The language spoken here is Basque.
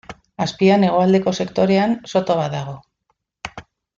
Azpian, hegoaldeko sektorean, soto bat dago.